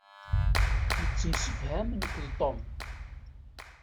Nettemsefham nekk d Tom.